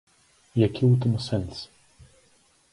Які ў тым сэнс?